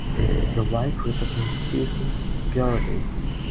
The white represents Jesus' purity.